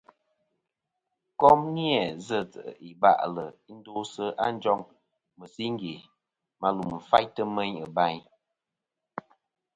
Kom ni-a zɨ̀ iba'lɨ i ndosɨ a njoŋ mɨsingè ma lum faytɨ meyn bayn.